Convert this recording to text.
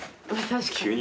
確かに。